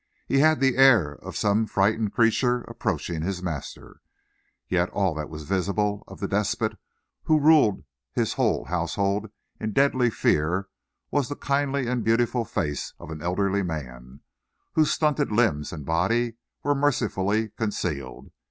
He had the air of some frightened creature approaching his master. Yet all that was visible of the despot who ruled his whole household in deadly fear was the kindly and beautiful face of an elderly man, whose stunted limbs and body were mercifully concealed.